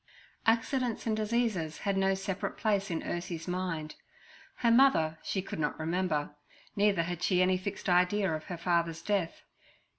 Accidents and diseases had no separate place in Ursie's mind. Her mother she could not remember; neither had she any fixed idea of her father's death.